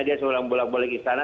dia selalu bolak bolik istana